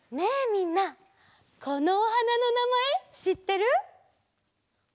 みんなこのおはなのなまえしってる？